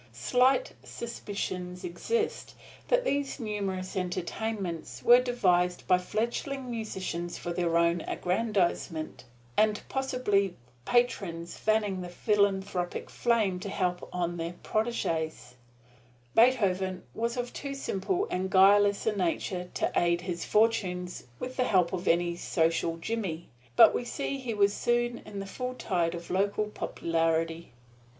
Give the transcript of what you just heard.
Slight suspicions exist that these numerous entertainments were devised by fledgling musicians for their own aggrandizement, and possibly patrons fanned the philanthropic flame to help on their proteges. Beethoven was of too simple and guileless a nature to aid his fortunes with the help of any social jimmy, but we see he was soon in the full tide of local popularity.